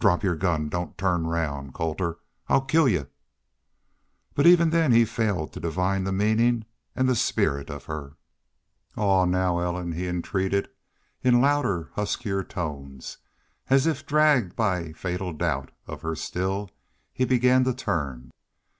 "Drop your gun! Don't turn round.... Colter! I'LL KILL Y'U!" But even then he failed to divine the meaning and the spirit of her. "Aw, now, Ellen," he entreated, in louder, huskier tones, and as if dragged by fatal doubt of her still, he began to turn.